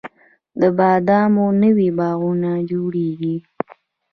د بادامو نوي باغونه جوړیږي